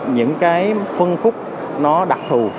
những cái phân phúc nó đặc thù